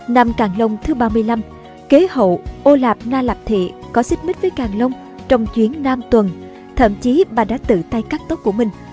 năm càng lông thứ ba mươi năm kế hậu ô lạp na lạp thị có xích mít với càng long trong chuyến nam tuần thậm chí bà đã tự tay cắt tóc của mình